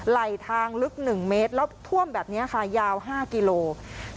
ไหลทางลึก๑เมตรแล้วท่วมแบบนี้ค่ะยาว๕กิโลกรัม